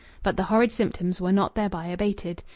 But the horrid symptoms were not thereby abated.